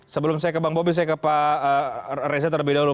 sebelum saya ke bang bobi saya ke pak reza terlebih dahulu